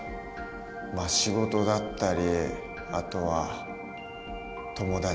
まあ仕事だったりあとは友達先輩